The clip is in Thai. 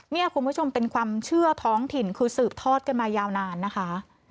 เนี่ยคุณผู้ชมเป็นความเชื่อท้องถิ่นคือสืบทอดกันมายาวนานนะคะ